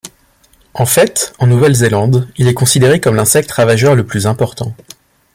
En fait, en Nouvelle-Zélande, il est considéré comme l'insecte ravageur le plus important.